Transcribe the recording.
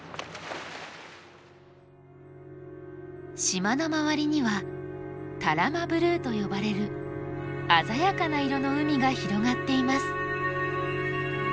島の周りには多良間ブルーと呼ばれる鮮やかな色の海が広がっています。